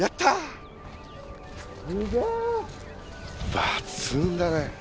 抜群だね！